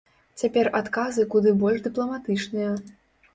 Цяпер адказы куды больш дыпламатычныя.